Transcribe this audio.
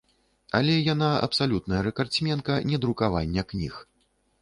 Але яна абсалютная рэкардсменка недрукавання кніг.